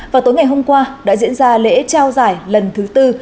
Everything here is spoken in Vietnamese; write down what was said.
và tối ngày hôm qua đã diễn ra lễ trao giải lần thứ tư